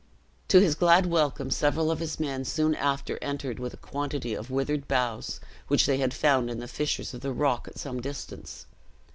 To his glad welcome, several of his men soon after entered with a quantity of withered boughs, which they had found in the fissures of the rock at some distance.